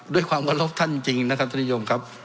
ด้วยความเคารพท่านจริงนะครับท่านผู้ชมครับ